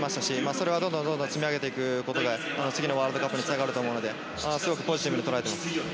それは、どんどん積み上げていくことで次のワールドカップにつながると思うのですごくポジティブに捉えています。